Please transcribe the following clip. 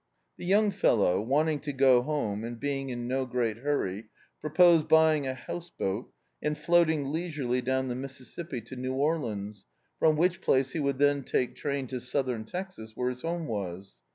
The young fellow, wanting to go home, and being in no great hurry, proposed buy ing a house boat and floating leisurely down the Mississippi to New Orleans, from which place he would then take train to Southern Texas, where his home was.